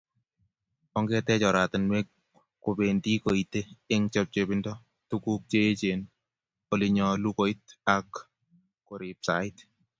Angeteech oratinweek kobendi koitei eng chepchebindo tuguuk cheechen ole nyolu koit ak koriip sait.